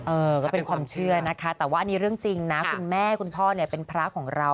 เออก็เป็นความเชื่อนะคะแต่ว่าอันนี้เรื่องจริงนะคุณแม่คุณพ่อเนี่ยเป็นพระของเรา